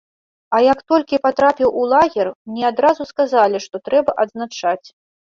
А як толькі патрапіў у лагер, мне адразу сказалі, што трэба адзначаць.